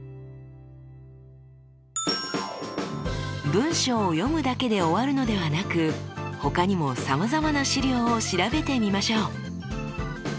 文章を読むだけで終わるのではなく他にもさまざまな資料を調べてみましょう。